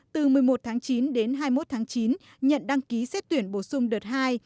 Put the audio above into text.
từ một mươi một tháng chín đến hai mươi một tháng chín nhận đăng ký xét tuyển bổ sung đợt hai